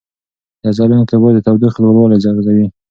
د عضلو انقباض د تودوخې لوړولو اغېز لري.